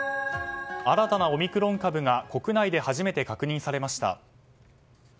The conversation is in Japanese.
新たなオミクロン株が国内で初めて確認されました。